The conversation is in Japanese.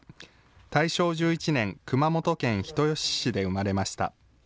大正１１年、熊本県人吉市で生まれました。